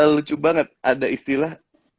lucu banget ada istilah